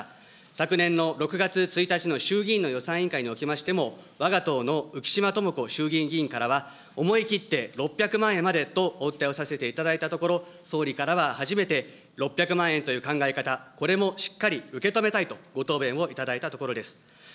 昨年の６月１日の衆議院の予算委員会におきましても、わが党のうきしまともこ衆議院議員からは、思い切って６００万円までとお訴えをさせていただいたところ、総理からは初めて、６００万円という考え方、これもしっかり受け止めたいとご答弁をいただいたところです。